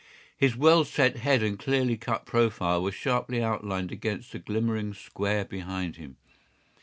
His well set head and clearly cut profile were sharply outlined against the glimmering square behind him.